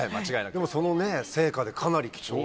その成果でかなり貴重な。